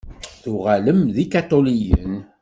Tuɣalem d ikaṭuliyen.